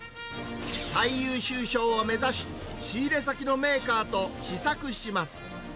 最優秀賞を目指し、仕入れ先のメーカーと試作します。